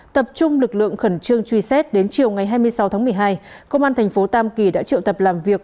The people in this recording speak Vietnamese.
tập trung lực lượng khẩn trương truy xét đến chiều ngày hai mươi sáu tháng một mươi hai công an thành phố tam kỳ đã triệu tập làm việc